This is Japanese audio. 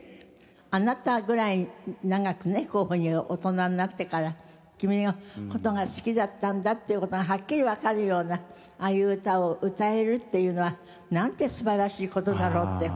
あなたぐらい長くねこういうふうに大人になってから君の事が好きだったんだっていう事がはっきりわかるようなああいう歌を歌えるっていうのはなんてすばらしい事だろうって本当に私は思いました。